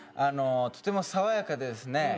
とても爽やかでですね